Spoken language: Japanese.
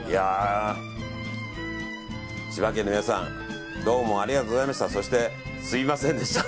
千葉県の皆さんどうもありがとうございました。